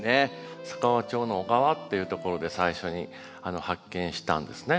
佐川町の尾川っていう所で最初に発見したんですね。